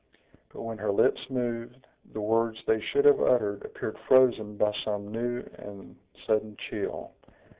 But when her lips moved, the words they should have uttered appeared frozen by some new and sudden chill.